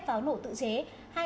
pháo nổ tự chế